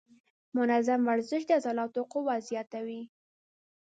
منظم ورزش د عضلاتو قوت زیاتوي.